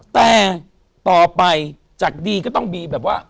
แต่ต่อไปจากดีก็ต้องมีแบบว่า